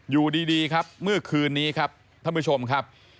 อยู่ดีครับเมื่อคืนนี้ครับท่านผู้ชมครับ